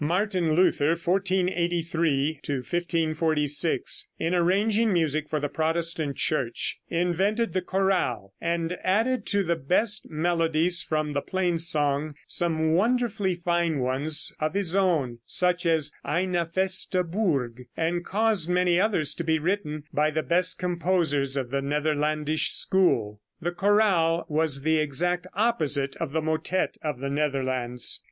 Martin Luther (1483 1546) in arranging music for the Protestant Church, invented the chorale and added to the best melodies from the Plain Song some wonderfully fine ones of his own, such as "Eine Feste Burg," and caused many others to be written by the best composers of the Netherlandish school. The chorale was the exact opposite of the motette of the Netherlands.